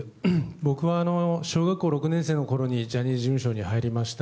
僕は小学校６年生のころにジャニーズ事務所に入りました。